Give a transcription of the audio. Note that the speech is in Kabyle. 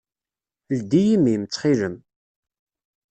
Ldi imi-m, ttxil-m!